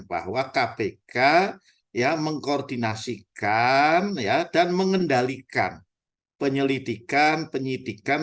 bahwa kpk ya mengkoordinasikan dan mengendalikan penyelidikan penyidikan